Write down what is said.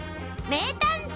名探偵！